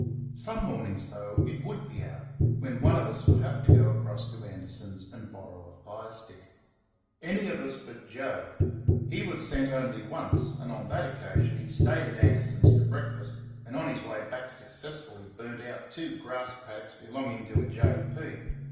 Some mornings, though, it would be out, when one of us would have to go across to Anderson's and borrow a fire stick. Any of us but Joe he was sent only once, and on that occasion he stayed at Anderson's to breakfast, and on his way back successfully burnt out two grass paddocks belonging to a J.P.